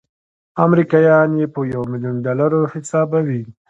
امریکایان یې په یو میلیون ډالرو حسابوي.